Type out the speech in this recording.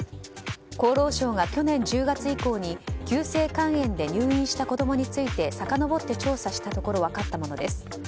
厚労省が去年１０月以降に急性肝炎で入院した子供についてさかのぼって調査したところ分かったものです。